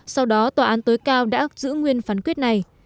sau đó tòa án tối cao đã giữ nguyên phán quyết này